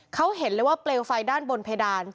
เขาเห็นเลยว่าเปลวไฟด้านบนเพดาน